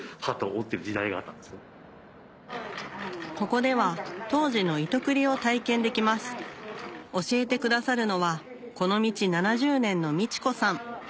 ここでは当時の糸繰りを体験できます教えてくださるのはこの道７０年のみちこさん